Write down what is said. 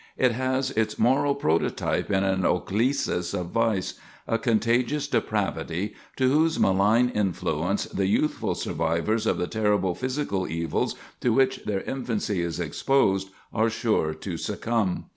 It has its moral prototype in an ochlesis of vice a contagious depravity, to whose malign influence the youthful survivors of the terrible physical evils to which their infancy is exposed, are sure to succumb.